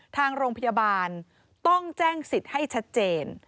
ทางโรงพยาบาลต้องแจ้งสิทธิ์ให้ชัดเจน